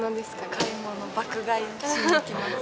買い物、爆買いしに行きます。